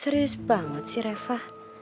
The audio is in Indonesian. serius banget sih reva